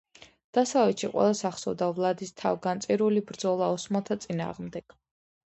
დასავლეთში ყველას ახსოვდა ვლადის თავგანწირული ბრძოლა ოსმალთა წინააღმდეგ.